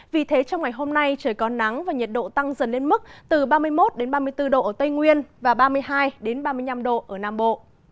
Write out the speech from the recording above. vì thế trong ngày hôm nay trời có nắng và nhiệt độ tăng dần lên mức từ ba mươi một ba mươi bốn độ ở tây nguyên và ba mươi hai ba mươi năm độ ở nam bộ